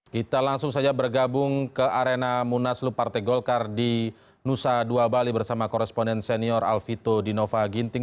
kita langsung saja bergabung ke arena munaslu partai golkar di nusa dua bali bersama koresponden senior alfito dinova ginting